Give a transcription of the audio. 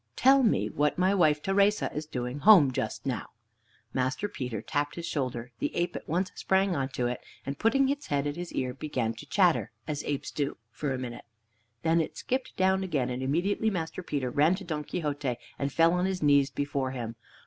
Tell me what my wife Teresa is doing at home just now." Master Peter tapped his shoulder: the ape at once sprang on to it, and putting its head at his ear, began to chatter as apes do for a minute. Then it skipped down again, and immediately Master Peter ran to Don Quixote and fell on his knees before him.